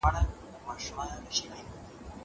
زه سپينکۍ نه پرېولم!!